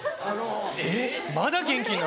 えっまだ元気になる？